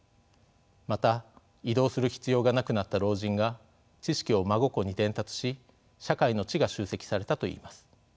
また移動する必要がなくなった老人が知識を孫子に伝達し社会の知が集積されたといいます。